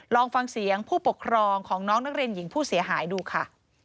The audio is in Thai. ลองฟังเสียงผู้ปกครองของน้องนักเรียนหญิงผู้เสียหายดูค่ะ